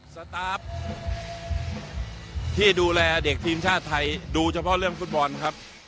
สตาร์ฟที่ดูแลเด็กทีมชาติไทยดูเฉพาะเรื่องฟุตบอลครับ